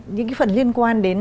những cái phần liên quan đến